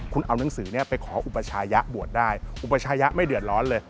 คุณเอานังสือไปขออุปชายะบวชได้อุปชายะไม่เดือดร้อนเลย